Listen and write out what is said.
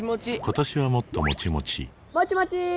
今年はもっともちもちもちもちー！